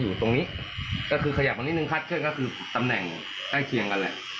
อยู่ตรงนี้ก็คือขยับมานิดนึงคาดเคลื่อนก็คือตำแหน่งใกล้เคียงกันแหละ